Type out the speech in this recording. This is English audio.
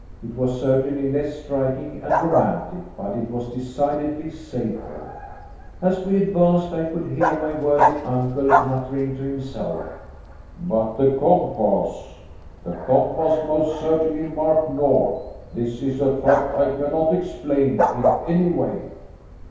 It was certainly less striking and romantic, but it was decidedly safer. As we advanced, I could hear my worthy uncle muttering to himself: "But the compass. The compass most certainly marked north. This is a fact I cannot explain in any way."